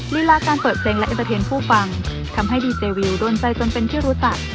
ลีลาการเปิดเพลงและเอ็นเตอร์เทนผู้ฟังทำให้ดีเจวิวโดนใจจนเป็นที่รู้จัก